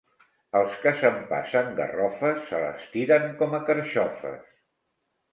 Els que s'empassen garrofes, se les tiren com a carxofes.